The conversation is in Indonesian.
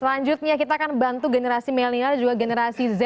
selanjutnya kita akan bantu generasi melnil juga generasi z